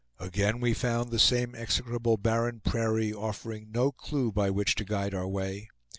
Again we found the same execrable barren prairie offering no clew by which to guide our way.